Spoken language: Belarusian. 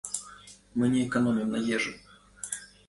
Мы не эканомім на ежы.